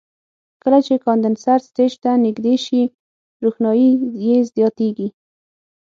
کله چې کاندنسر سټیج ته نږدې شي روښنایي یې زیاتیږي.